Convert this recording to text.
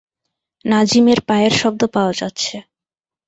নাজিমের পায়ের শব্দ পাওয়া যাচ্ছে।